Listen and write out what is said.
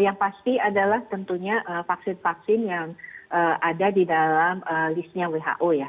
yang pasti adalah tentunya vaksin vaksin yang ada di dalam listnya who ya